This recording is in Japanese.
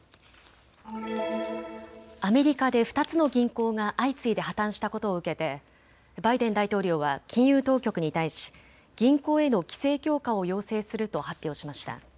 アメリカで２つの銀行が相次いで破綻したことを受けてバイデン大統領は金融当局に対し銀行への規制強化を要請すると発表しました。